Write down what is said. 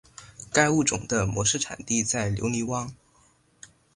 该物种的模式产地在留尼汪。